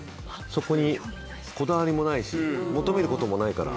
そこにこだわりもないし求めることもないから。